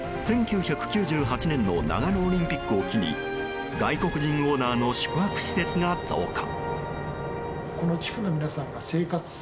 １９９８年の長野オリンピックを機に外国人オーナーの宿泊施設が増加。